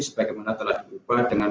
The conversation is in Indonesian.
sebagaimana telah dilupa dengan